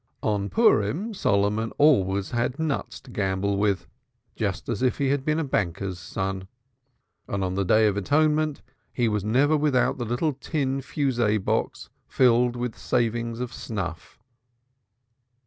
On Purim Solomon always had nuts to gamble with, just as if he had been a banker's son, and on the Day of Atonement he was never without a little tin fusee box filled with savings of snuff.